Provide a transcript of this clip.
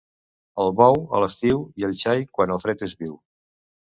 El bou a l'estiu i el xai quan el fred és viu.